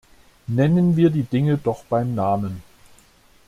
Nennen wir die Dinge doch beim Namen.